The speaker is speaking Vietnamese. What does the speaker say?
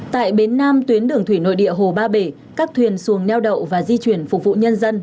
tại bến nam tuyến đường thủy nội địa hồ ba bể các thuyền xuồng neo đậu và di chuyển phục vụ nhân dân